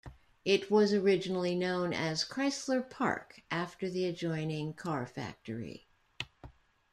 It was originally known as Chrysler Park after the adjoining car factory.